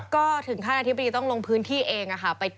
ก็ถึงขั้นอธิบดีต้องลงพื้นที่เองค่ะ